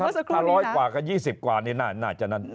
ถ้าร้อยกว่ากับ๒๐กว่านี่น่าจะนั้น